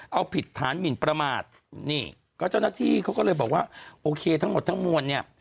เอาผิดฐานหมินประมาทนี่ก็เจ้าหน้าที่เขาก็เลยบอกว่าโอเคทั้งหมดทั้งมวลเนี่ย